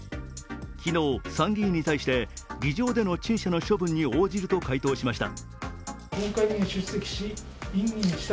昨日、参議院に対して議場での陳謝の処分に応じると回答しました。